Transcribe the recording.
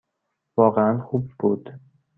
واقعاً خوب بود.